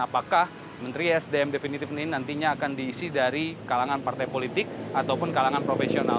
apakah menteri sdm definitif ini nantinya akan diisi dari kalangan partai politik ataupun kalangan profesional